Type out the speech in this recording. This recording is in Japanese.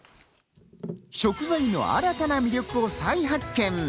食材の新たな魅力を再発見。